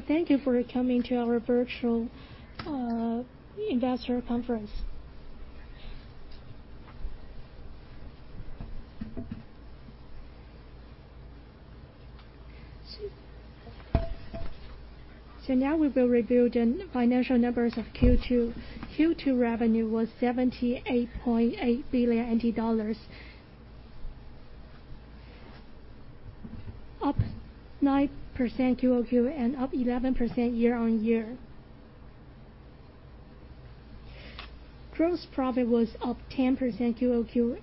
Thank you for coming to our Virtual Investor Conference. Now we will reveal the financial numbers of Q2. Q2 revenue was RMB 78.8 billion, up 9% QOQ and up 11% year-on-year. Gross profit was up 10% QOQ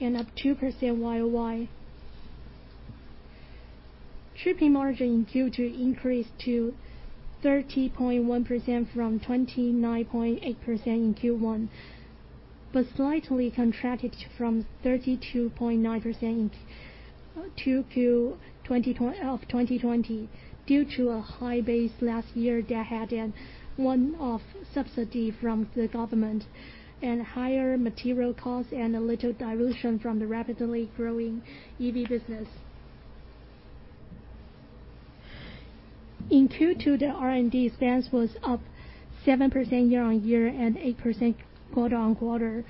and up 2% YoY. Gross margin in Q2 increased to 30.1% from 29.8% in Q1, but slightly contracted from 32.9% of 2020 due to a high base last year that had a one-off subsidy from the government and higher material costs and a little dilution from the rapidly growing EV business. In Q2, the R&D expense was up 7% year-on-year and 8% quarter-on-quarter.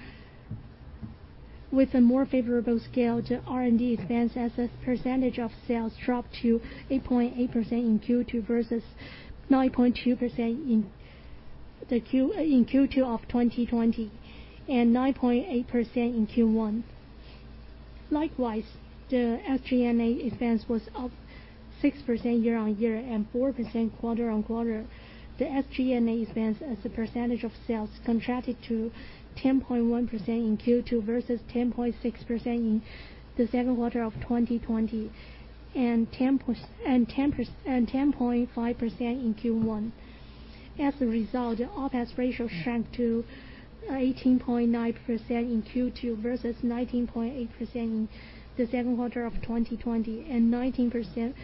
With a more favorable scale, the R&D expense as a percentage of sales dropped to 8.8% in Q2, versus 9.2% in Q2 of 2020 and 9.8% in Q1. Likewise, the SG&A expense was up 6% year-on-year and 4% quarter-on-quarter. The SG&A expense as a percentage of sales contracted to 10.1% in Q2 versus 10.6% in the second quarter of 2020, and 10.5% in Q1. As a result, the OPEX ratio shrank to 18.9% in Q2 versus 19.8% in the second quarter of 2020 and 19.5%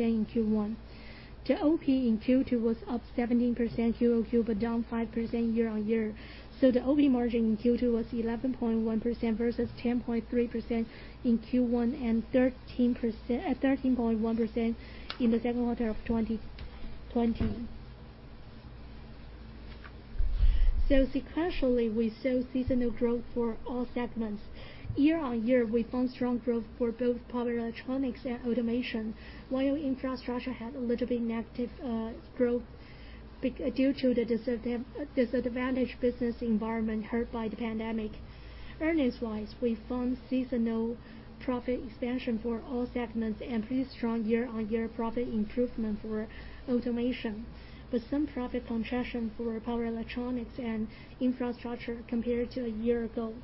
in Q1. The OP in Q2 was up 17% QOQ, but down 5% year-on-year. The OP margin in Q2 was 11.1% versus 10.3% in Q1 and 13.1% in the second quarter of 2020. Sequentially, we saw seasonal growth for all segments. Year-on-year, we found strong growth for both Power Electronics and Automation, while Infrastructure had a little bit negative growth due to the disadvantaged business environment hurt by the pandemic. Earnings wise, we found seasonal profit expansion for all segments and pretty strong year-on-year profit improvement for Automation, with some profit contraction for Power Electronics and Infrastructure compared to a year ago.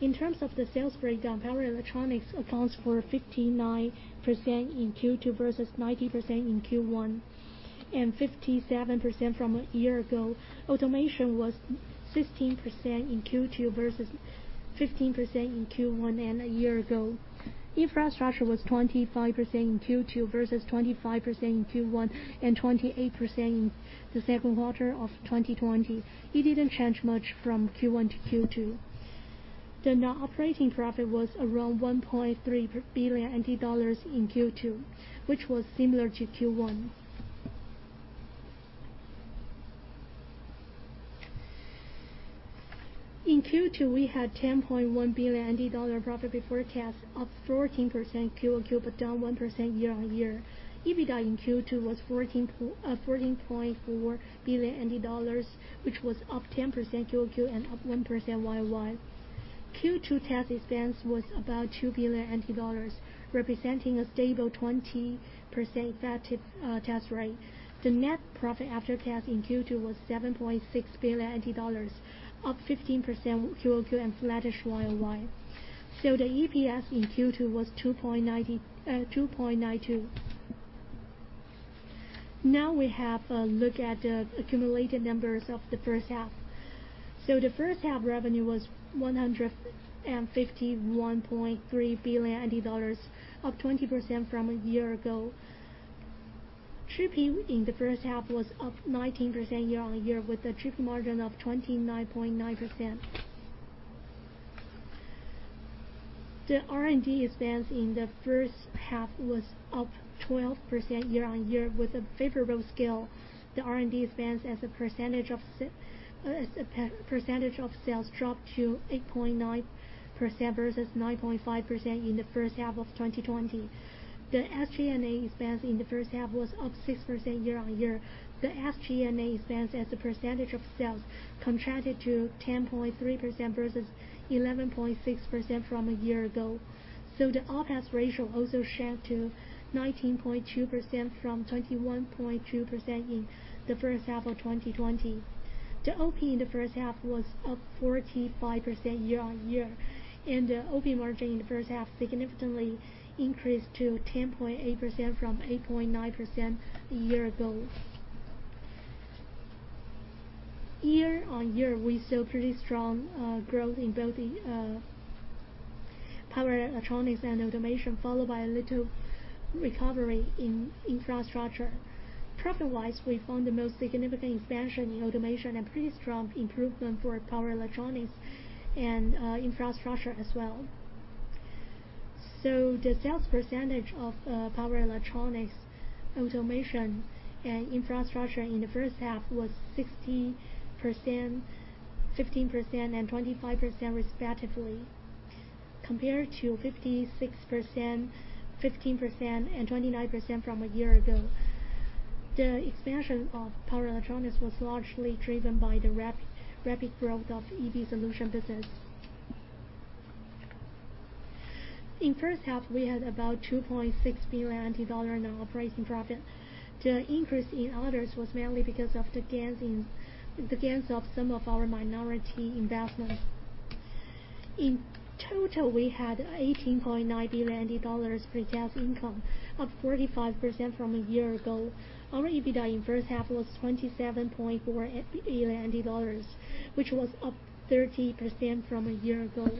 In terms of the sales breakdown, Power Electronics accounts for 59% in Q2 versus 90% in Q1, and 57% from a year ago. Automation was 16% in Q2 versus 15% in Q1 and a year ago. Infrastructure was 25% in Q2 versus 25% in Q1 and 28% in the second quarter of 2020. It didn't change much from Q1 to Q2. The net operating profit was around RMB 1.3 billion in Q2, which was similar to Q1. In Q2, we had RMB 10.1 billion profit before tax, up 14% QoQ, but down 1% year-on-year. EBITDA in Q2 was RMB 14.4 billion, which was up 10% QoQ and up 1% YoY. Q2 tax expense was about 2 billion, representing a stable 20% effective tax rate. The net profit after tax in Q2 was 7.6 billion, up 15% QoQ and flattish YoY. The EPS in Q2 was 2.92. Now we have a look at the accumulated numbers of the first half. The first half revenue was RMB 151.3 billion, up 20% from a year ago. Shipping in the first half was up 19% year-on-year with a shipping margin of 29.9%. The R&D expense in the first half was up 12% year-on-year with a favorable scale. The R&D expense as a percentage of sales dropped to 8.9% versus 9.5% in the first half of 2020. The SG&A expense in the first half was up 6% year-on-year. The SG&A expense as a percentage of sales contracted to 10.3% versus 11.6% from a year ago. The OPEX ratio also shrank to 19.2% from 21.2% in the first half of 2020. The OP in the first half was up 45% year-on-year, and the OP margin in the first half significantly increased to 10.8% from 8.9% a year ago. Year-on-year, we saw pretty strong growth in both the Power Electronics and Automation, followed by a little recovery in Infrastructure. Profit wise, we found the most significant expansion in Automation and pretty strong improvement for Power Electronics and Infrastructure as well. The sales percentage of Power Electronics, Automation, and Infrastructure in the first half was 16%, 15%, and 25%, respectively, compared to 56%, 15%, and 29% from a year ago. The expansion of Power Electronics was largely driven by the rapid growth of EV solution business. In the first half, we had about 2.6 billion dollars in operating profit. The increase in others was mainly because of the gains of some of our minority investments. In total, we had 18.9 billion dollars pre-tax income, up 45% from a year ago. Our EBITDA in the first half was 27.4 billion dollars, which was up 30% from a year ago.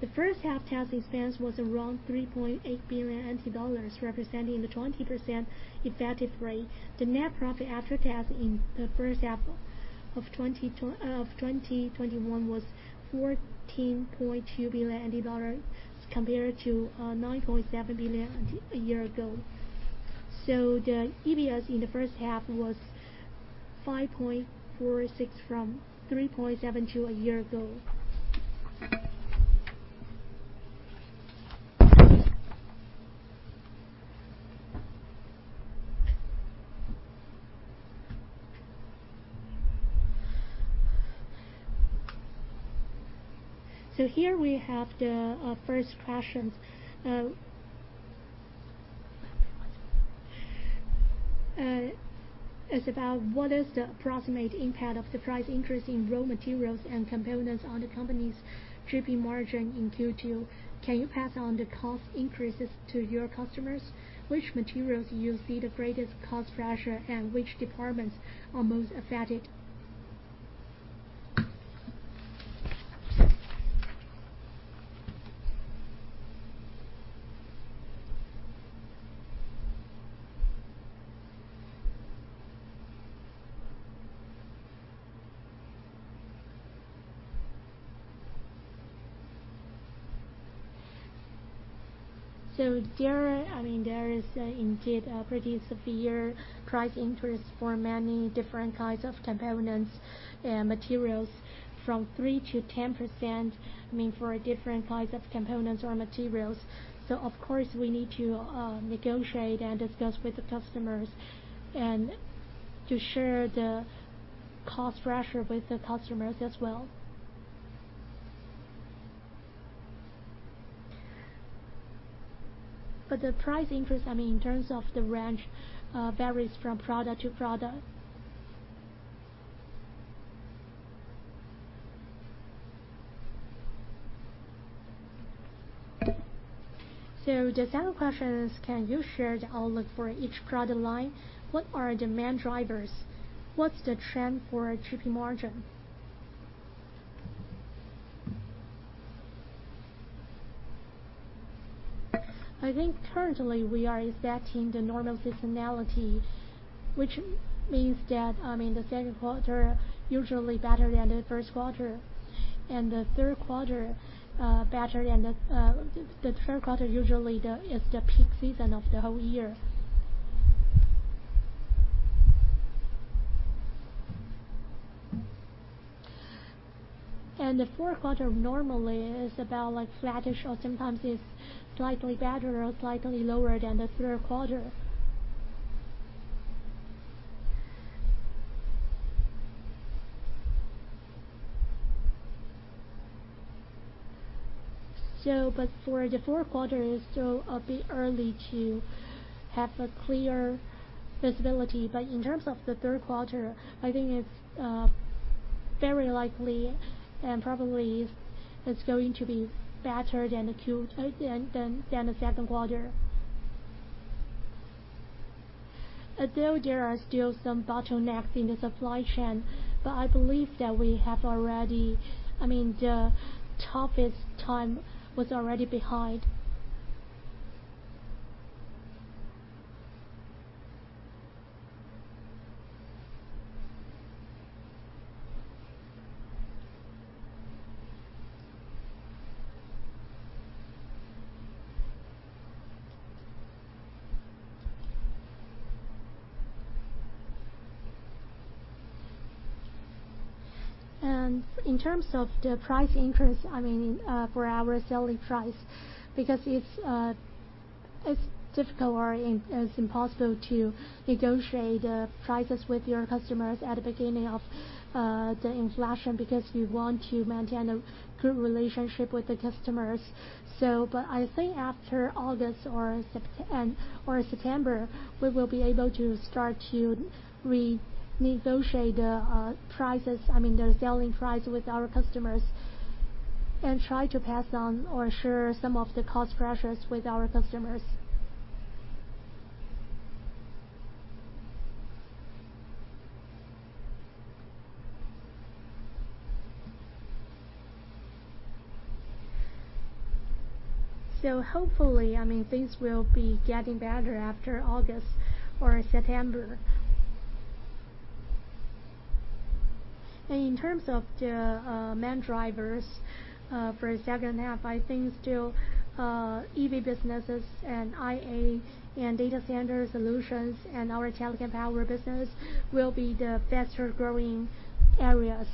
The first half tax expense was around 3.8 billion NT dollars, representing the 20% effective rate. The net profit after tax in the first half of 2021 was 14.2 billion dollars, compared to 9.7 billion a year ago. The EPS in the first half was 5.46 from 3.72 a year ago. Here we have the first questions. It's about what is the approximate impact of the price increase in raw materials and components on the company's shipping margin in Q2. Can you pass on the cost increases to your customers? Which materials do you see the greatest cost pressure, and which departments are most affected? There is indeed a pretty severe price increase for many different kinds of components and materials from 3%-10%, for different kinds of components or materials. Of course, we need to negotiate and discuss with the customers and to share the cost pressure with the customers as well. The price increase in terms of the range varies from product to product. The second question is, can you share the outlook for each product line? What are the main drivers? What's the trend for shipping margin? I think currently we are expecting the normal seasonality, which means that the second quarter usually better than the first quarter and the third quarter usually is the peak season of the whole year. The fourth quarter normally is about flattish or sometimes is slightly better or slightly lower than the third quarter. For the fourth quarter, it's still a bit early to have a clear visibility. In terms of the third quarter, I think it's very likely and probably it's going to be better than the second quarter. Although there are still some bottlenecks in the supply chain, but I believe that the toughest time was already behind. In terms of the price increase for our selling price, because it's difficult or it's impossible to negotiate prices with your customers at the beginning of the inflation, because we want to maintain a good relationship with the customers. I think after August or September, we will be able to start to renegotiate the prices, the selling price with our customers and try to pass on or share some of the cost pressures with our customers. Hopefully, things will be getting better after August or September. In terms of the main drivers for the second half, I think still EV businesses and IA and data center solutions and our telecom power business will be the faster-growing areas.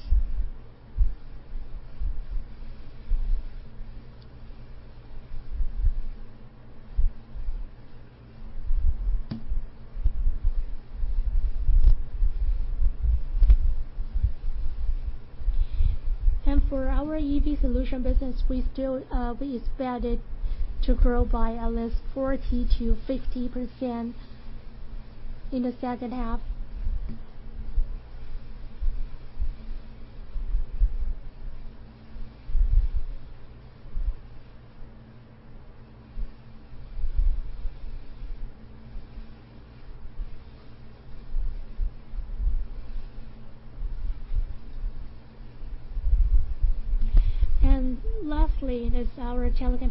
For our EV solution business, we expect it to grow by at least 40%-50% in the second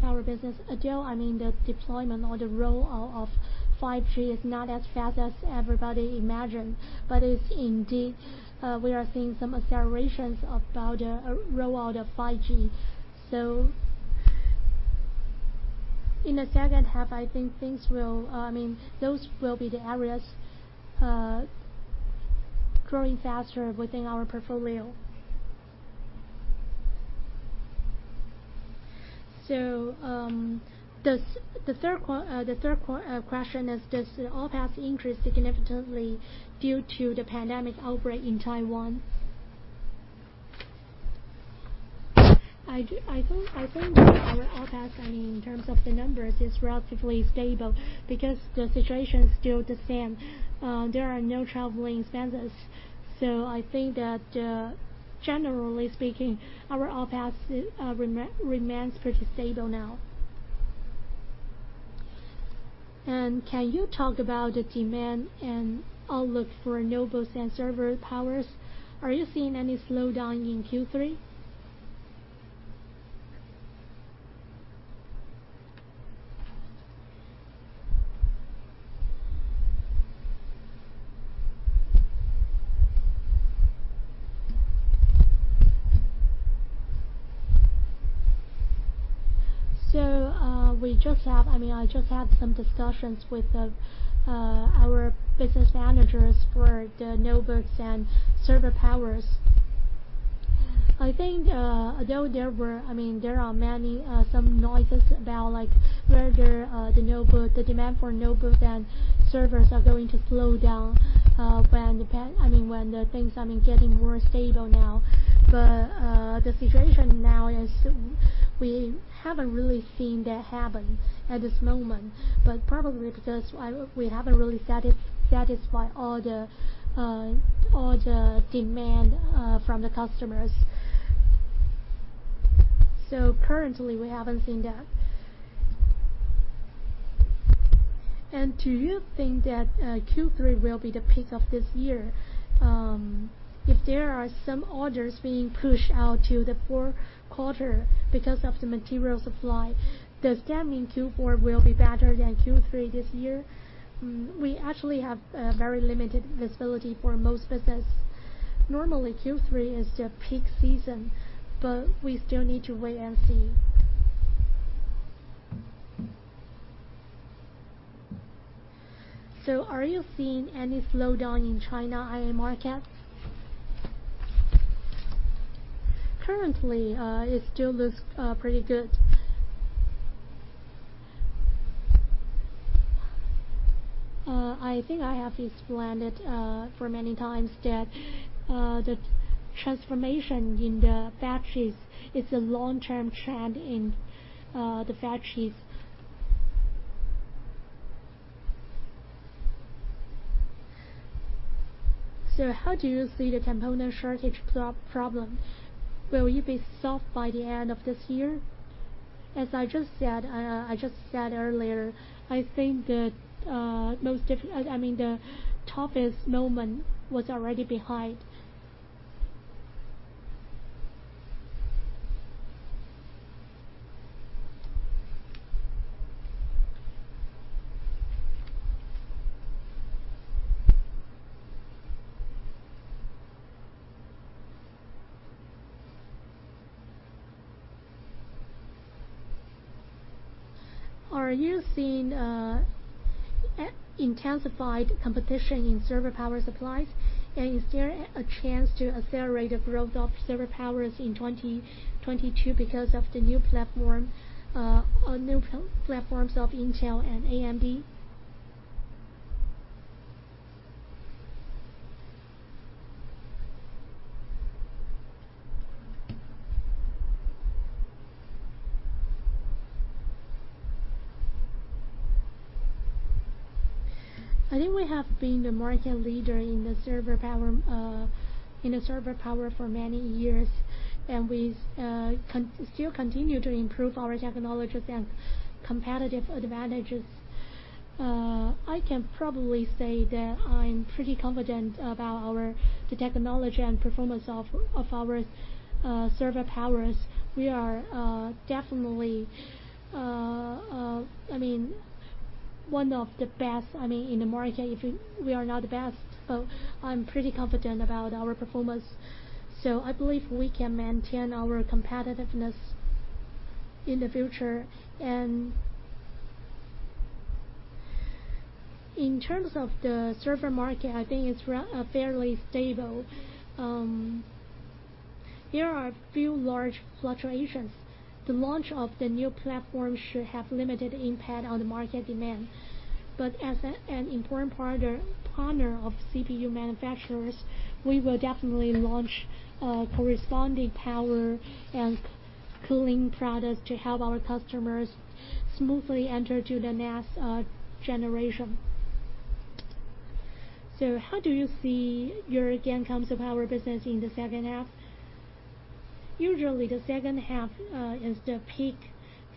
half. Lastly, there's our telecom power business. Although the deployment or the roll-out of 5G is not as fast as everybody imagined, but indeed, we are seeing some accelerations about the roll-out of 5G. In the second half, I think those will be the areas growing faster within our portfolio. The third question is, does OPEX increase significantly due to the pandemic outbreak in Taiwan? I think that our OPEX, in terms of the numbers, is relatively stable because the situation is still the same. There are no traveling expenses. I think that generally speaking, our OPEX remains pretty stable now. Can you talk about the demand and outlook for notebooks and server powers? Are you seeing any slowdown in Q3? I just had some discussions with our business managers for the notebooks and server powers. I think although there are some noises about whether the demand for notebooks and servers are going to slow down when things are getting more stable now. The situation now is we haven't really seen that happen at this moment, but probably because we haven't really satisfied all the demand from the customers. Currently, we haven't seen that. Do you think that Q3 will be the peak of this year? If there are some orders being pushed out to the fourth quarter because of the material supply, does that mean Q4 will be better than Q3 this year? We actually have very limited visibility for most business. Normally, Q3 is the peak season, but we still need to wait and see. Are you seeing any slowdown in China IA markets? Currently, it still looks pretty good. I think I have explained it for many times that the transformation in the factories is a long-term trend in the factories. How do you see the component shortage problem? Will it be solved by the end of this year? As I just said earlier, I think that the toughest moment was already behind. Are you seeing intensified competition in server power supplies? Is there a chance to accelerate the growth of server powers in 2022 because of the new platforms of Intel and AMD? I think we have been the market leader in the server power for many years, and we still continue to improve our technologies and competitive advantages. I can probably say that I'm pretty confident about the technology and performance of our server powers. We are definitely one of the best in the market. If we are not the best, I'm pretty confident about our performance. I believe we can maintain our competitiveness in the future. In terms of the server market, I think it's fairly stable. There are few large fluctuations. The launch of the new platform should have limited impact on the market demand. As an important partner of CPU manufacturers, we will definitely launch corresponding power and cooling products to help our customers smoothly enter to the next generation. How do you see your game console power business in the second half? Usually, the second half is the peak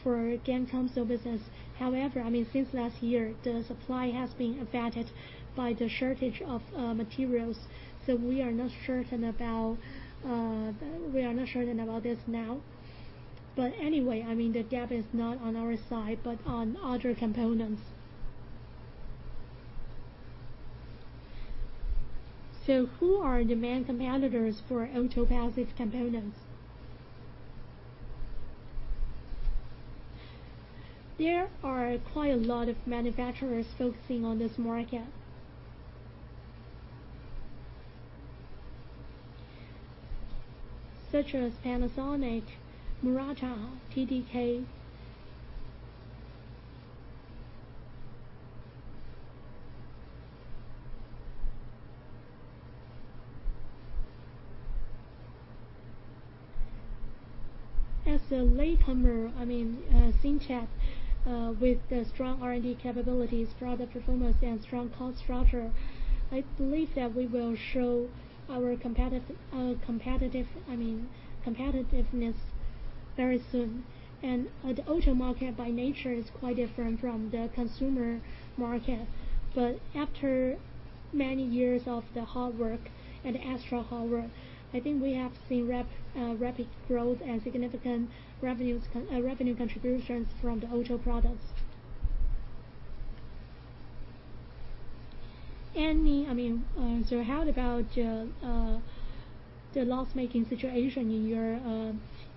for game console business. However, since last year, the supply has been affected by the shortage of materials. We are not certain about this now. Anyway, the gap is not on our side, but on other components. Who are the main competitors for automotive passive components? There are quite a lot of manufacturers focusing on this market, such as Panasonic, Murata, TDK. As a latecomer, Cyntec, with the strong R&D capabilities, product performance, and strong cost structure, I believe that we will show our competitiveness very soon. The auto market by nature is quite different from the consumer market. After many years of the hard work and extra hard work, I think we have seen rapid growth and significant revenue contributions from the auto products. How about the loss-making situation in your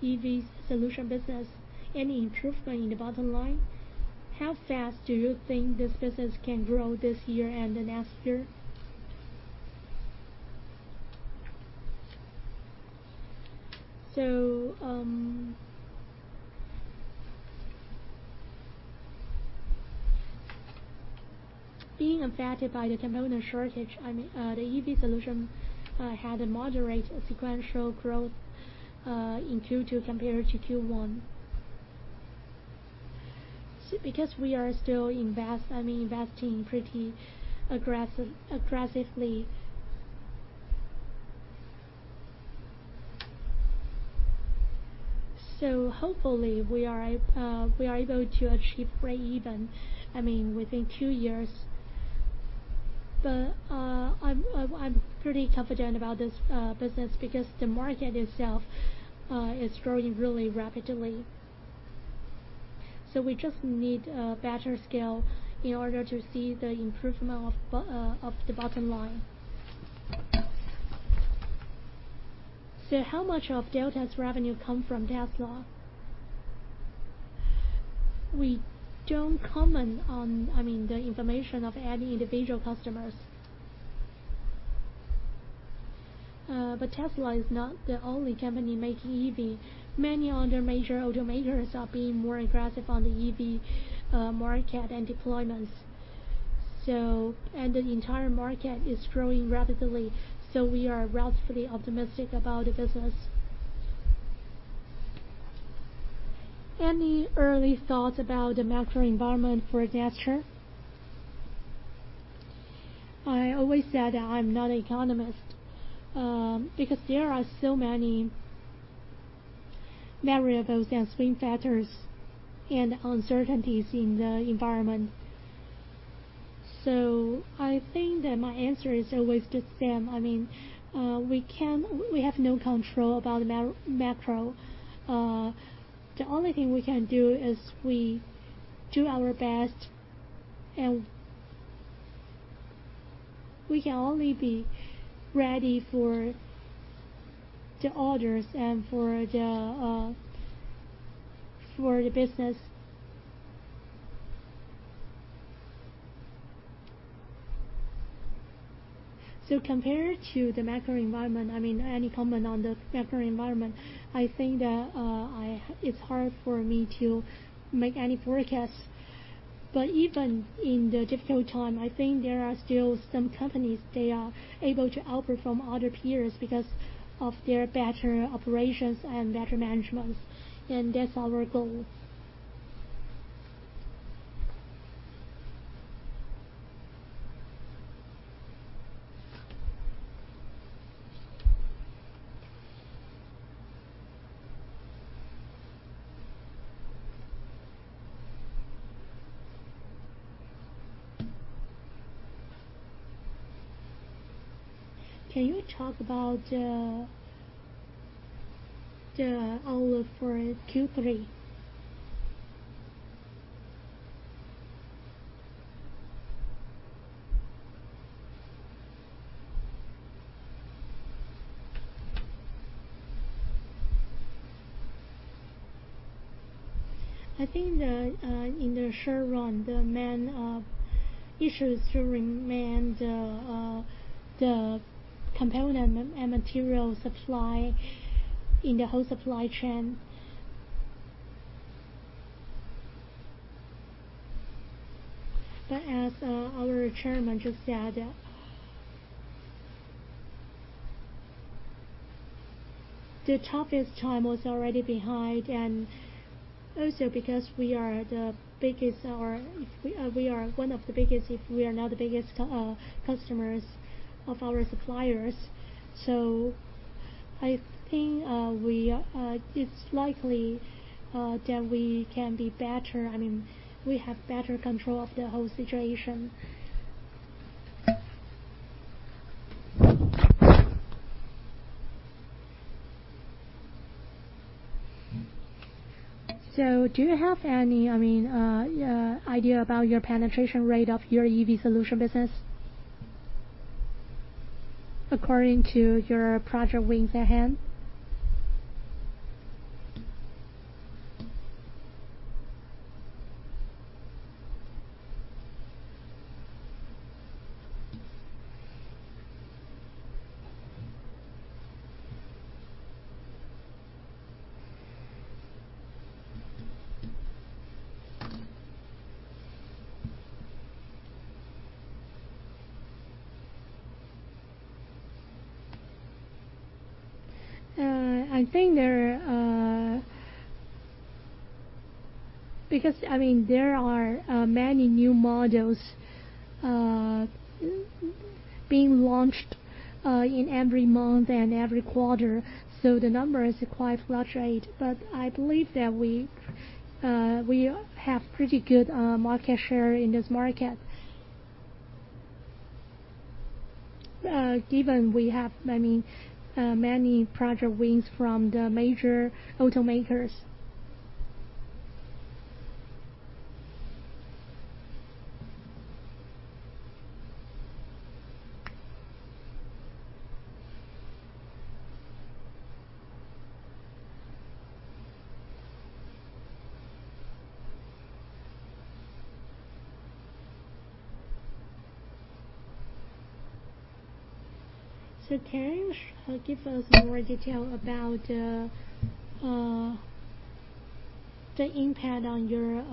EV solution business? Any improvement in the bottom line? How fast do you think this business can grow this year and the next year? Being affected by the component shortage, the EV solution had a moderate sequential growth in Q2 compared to Q1. Because we are still investing pretty aggressively. Hopefully, we are able to achieve breakeven within two years. I'm pretty confident about this business because the market itself is growing really rapidly. We just need a better scale in order to see the improvement of the bottom line. How much of Delta's revenue come from Tesla? We don't comment on the information of any individual customers. Tesla is not the only company making EV. Many other major automakers are being more aggressive on the EV market and deployments. The entire market is growing rapidly. We are relatively optimistic about the business. Any early thoughts about the macro environment for next year? I always said I'm not an economist, because there are so many variables and swing factors and uncertainties in the environment. I think that my answer is always the same. We have no control about macro. The only thing we can do is we do our best, and we can only be ready for the orders and for the business. Compared to the macro environment, any comment on the macro environment, I think that it's hard for me to make any forecasts. Even in the difficult time, I think there are still some companies that are able to outperform other peers because of their better operations and better management, and that's our goal. Can you talk about the outlook for Q3? I think that in the short run, the main issue is to remain the component and material supply in the whole supply chain. As our Chairman just said, the toughest time was already behind and also because we are one of the biggest, if we are not the biggest customers of our suppliers. I think it's likely that we can be better. We have better control of the whole situation. Do you have any idea about your penetration rate of your EV solution business according to your project wins at hand? I think because there are many new models being launched in every month and every quarter. The number is quite fluctuating. I believe that we have pretty good market share in this market given we have many project wins from the major automakers. Can you give us more detail about the impact on your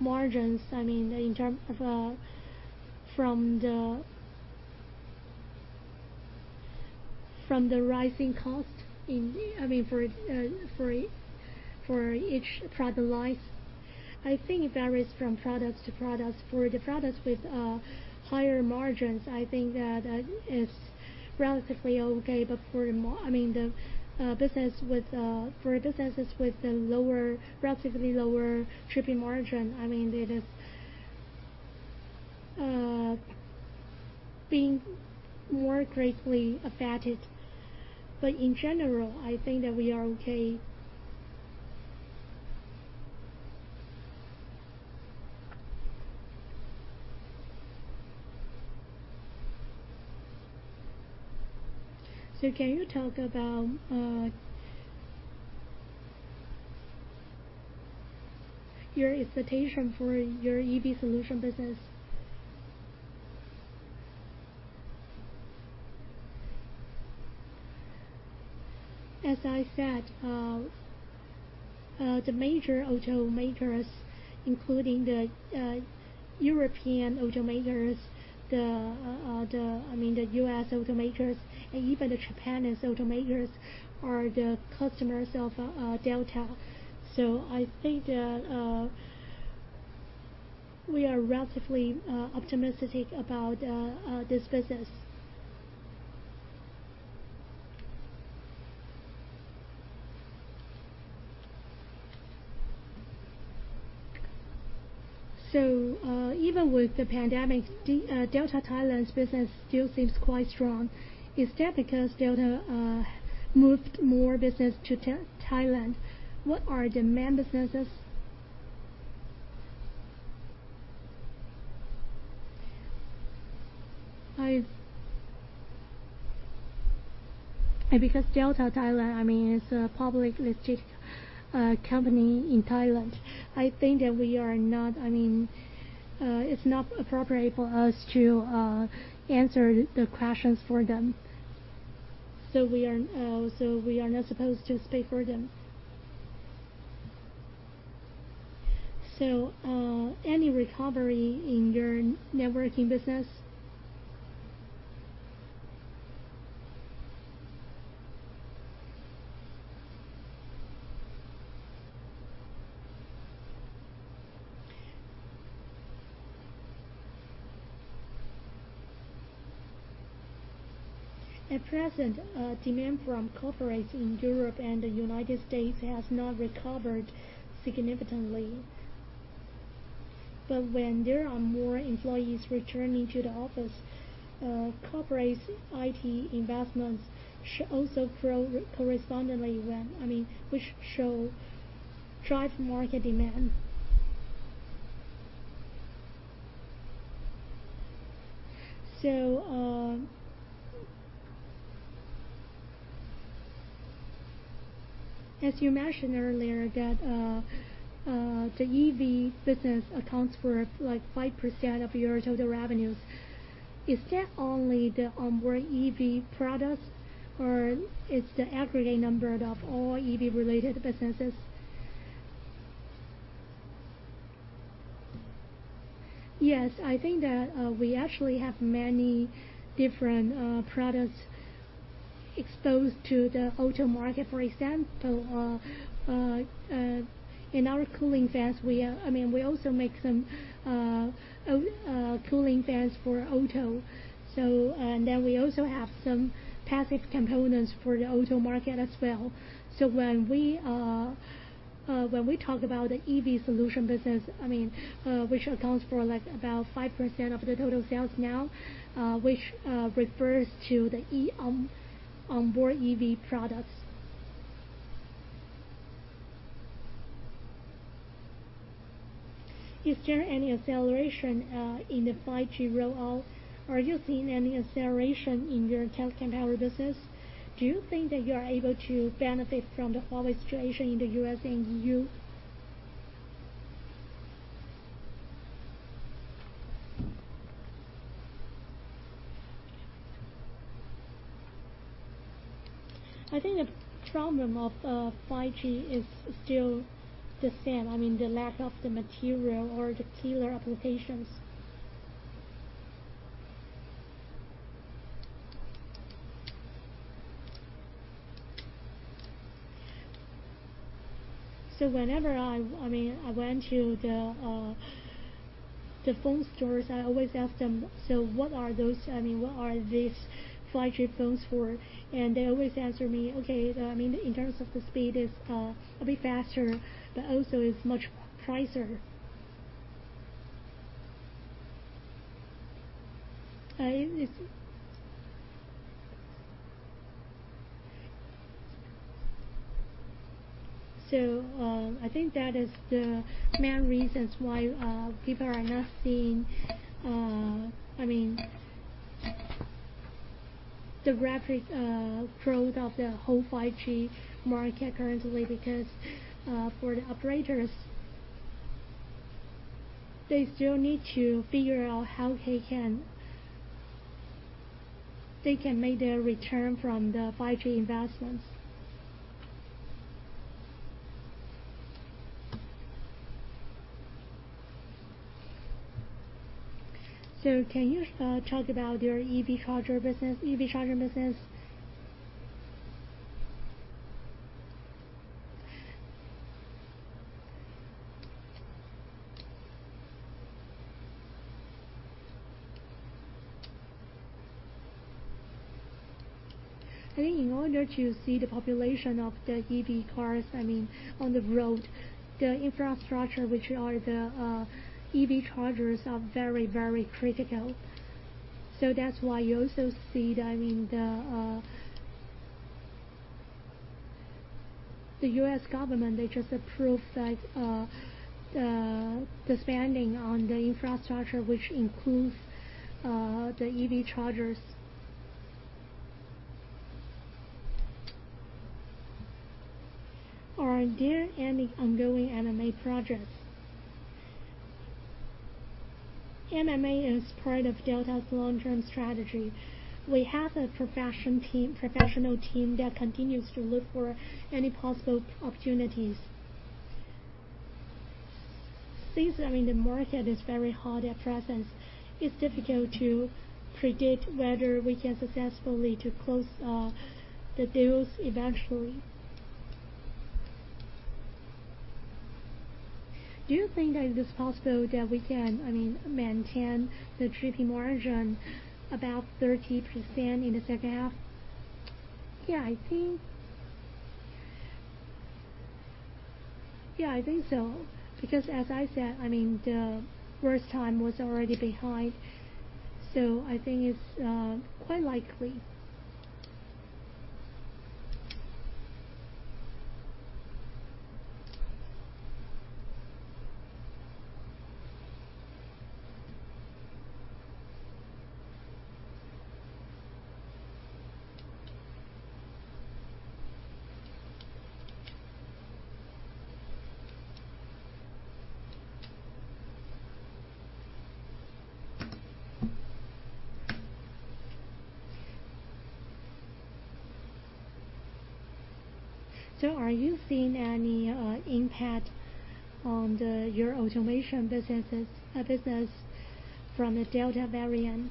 margins, in terms of from the rising cost for each product line? I think it varies from product to product. For the products with higher margins, I think that it's relatively okay, but for businesses with relatively lower Gross margin, it is being more greatly affected. In general, I think that we are okay. Can you talk about your expectation for your EV solution business? As I said, the major automakers, including the European automakers, the U.S. automakers, and even the Japanese automakers are the customers of Delta. I think that we are relatively optimistic about this business. Even with the pandemic, Delta Thailand's business still seems quite strong. Is that because Delta moved more business to Thailand? What are the main businesses? Delta Thailand is a public-listed company in Thailand, I think that it's not appropriate for us to answer the questions for them. We are not supposed to speak for them. Any recovery in your networking business? At present, demand from corporates in Europe and the U.S. has not recovered significantly. When there are more employees returning to the office, corporate IT investments should also grow correspondingly, which should drive market demand. As you mentioned earlier, the EV business accounts for 5% of your total revenues. Is that only the onboard EV products, or is it the aggregate number of all EV-related businesses? I think that we actually have many different products exposed to the auto market. For example, in our cooling fans, we also make some cooling fans for auto. We also have some passive components for the auto market as well. When we talk about the EV solution business, which accounts for about 5% of the total sales now, which refers to the onboard EV products. Is there any acceleration in the 5G rollout? Are you seeing any acceleration in your telecom power business? Do you think that you are able to benefit from the Huawei situation in the U.S. and EU? I think the problem of 5G is still the same, the lack of the material or the killer applications. Whenever I went to the phone stores, I always ask them, so what are these 5G phones for? They always answer me, okay. In terms of the speed, it's a bit faster, but also is much pricier. I think that is the main reasons why people are not seeing the rapid growth of the whole 5G market currently because, for the operators, they still need to figure out how they can make their return from the 5G investments. Can you talk about your EV charger business? I think in order to see the population of the EV cars on the road, the infrastructure, which are the EV chargers, are very, very critical. That's why you also see the U.S. government, they just approved the spending on the infrastructure, which includes the EV chargers. Are there any ongoing M&A projects? M&A is part of Delta's long-term strategy. We have a professional team that continues to look for any possible opportunities. Since the market is very hot at present, it is difficult to predict whether we can successfully close the deals eventually. Do you think that it is possible that we can maintain the GP margin about 30% in the second half? Yeah, I think so, because as I said, the worst time was already behind, so I think it is quite likely. Are you seeing any impact on your Automation business from the Delta variant?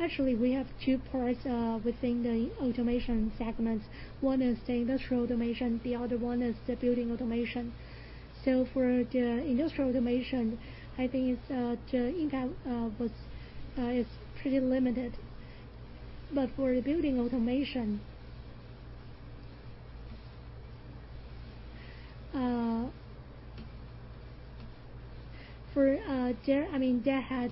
Actually, we have two parts within the Automation segments. One is the Industrial Automation, the other 1 is the Building Automation. For the Industrial Automation, I think its impact is pretty limited. That has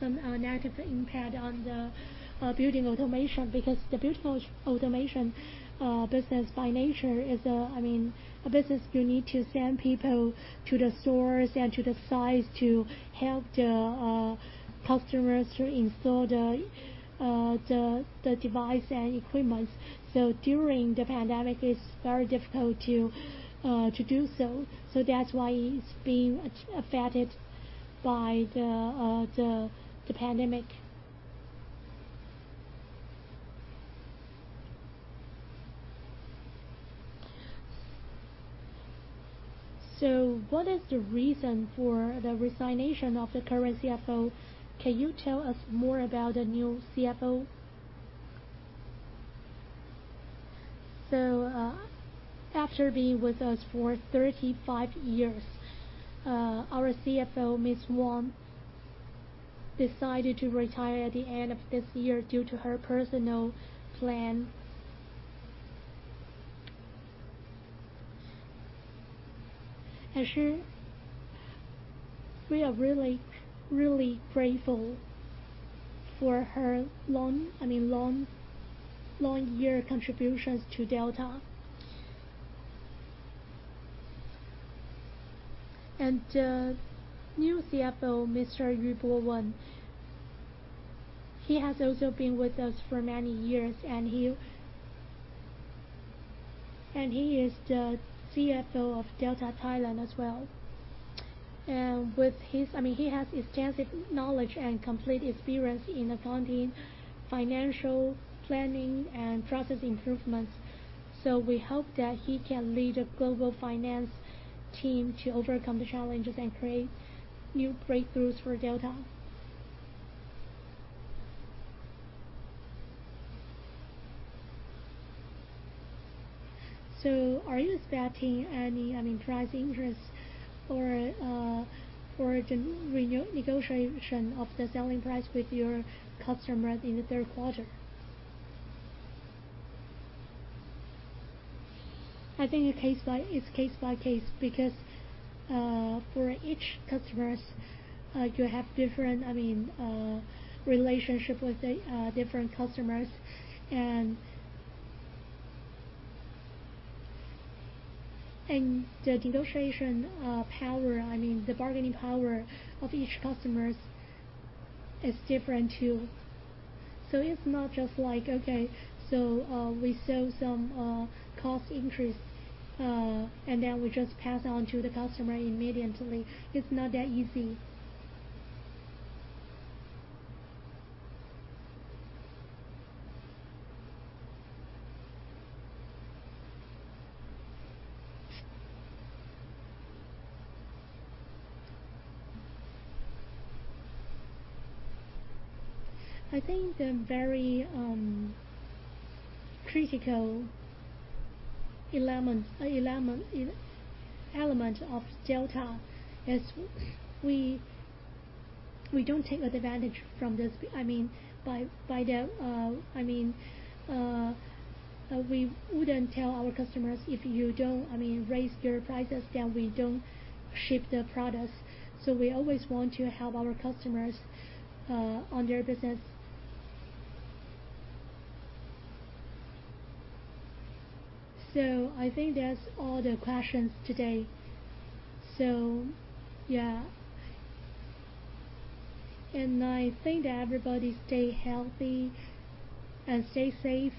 some negative impact on the Building Automation, because the Building Automation business by nature is a business you need to send people to the stores and to the sites to help the customers to install the device and equipment. During the pandemic, it's very difficult to do so. That's why it's being affected by the pandemic. What is the reason for the resignation of the current CFO? Can you tell us more about the new CFO? After being with us for 35 years, our CFO, Ms. Wang, decided to retire at the end of this year due to her personal plan. We are really grateful for her long year contributions to Delta. The new CFO, Mr. Po-Wen Yen, he has also been with us for many years, and he is the CFO of Delta Thailand as well. He has extensive knowledge and complete experience in accounting, financial planning, and process improvements. We hope that he can lead a global finance team to overcome the challenges and create new breakthroughs for Delta. Are you expecting any price increase or negotiation of the selling price with your customers in the third quarter? I think it's case by case because for each customer, you have different relationship with the different customers, and the negotiation power, the bargaining power of each customer is different too. It's not just like, okay, so we saw some cost increase, and then we just pass on to the customer immediately. It's not that easy. I think the very critical element of Delta is we don't take advantage from this. We wouldn't tell our customers, if you don't raise your prices, then we don't ship the products. We always want to help our customers on their business. I think that's all the questions today. Yeah. I think that everybody stay healthy, and stay safe,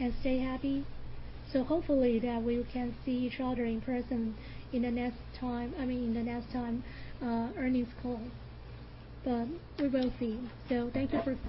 and stay happy. Hopefully that we can see each other in person in the next time, earnings call. We will see. Thank you for coming.